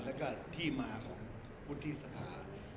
และก็ที่มาของพุทธธิสมา